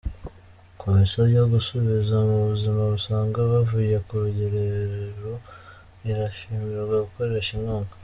Komisiyo yo gusubiza mu buzima busanzwe abavuye ku rugerero irashimirwa gukoresha inkunga